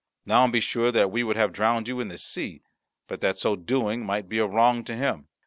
Now be sure that we would have drowned you in the sea, but that so doing might be a wrong to him.